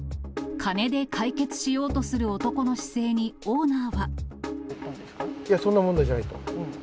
金で解決しようとする男の姿いや、そんな問題じゃないと。